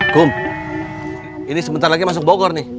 kum ini sebentar lagi masuk bogor nih